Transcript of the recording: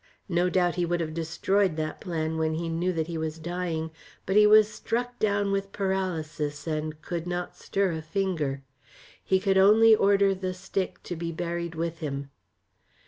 No doubt he would have destroyed that plan when he knew that he was dying, but he was struck down with paralysis, and could not stir a finger. He could only order the stick to be buried with him.